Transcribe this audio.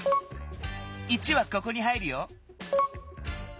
１はここに入るよ。